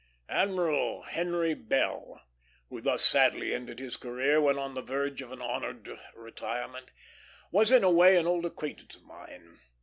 Admiral Henry Bell, who thus sadly ended his career when on the verge of an honored retirement, was in a way an old acquaintance of mine.